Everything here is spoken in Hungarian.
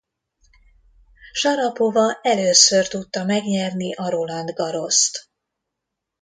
Sarapova először tudta megnyerni a Roland Garrost.